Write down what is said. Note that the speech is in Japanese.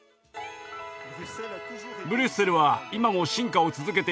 ブリュッセルは今も進化を続けています。